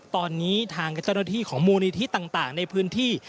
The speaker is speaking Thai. ตอนนี้ทางเจ้าหน้าที่ของมูลนิธิต่างในพื้นที่